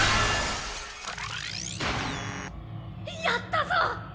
やったぞ！